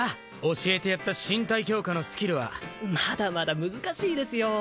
教えてやった身体強化のスキルはまだまだ難しいですよ